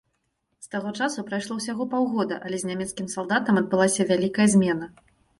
З таго часу прайшло ўсяго паўгода, але з нямецкім салдатам адбылася вялікая змена.